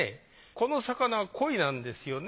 この魚は鯉なんですよね。